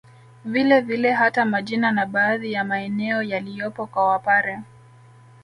Vile vile hata majina na baadhi ya maeneo yaliyopo kwa Wapare